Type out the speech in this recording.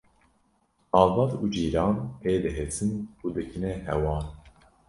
malbat û cîran pê dihesin û dikine hewar